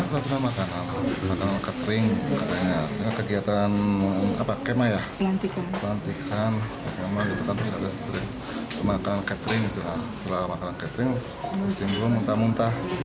setelah makan catering siswa muntah muntah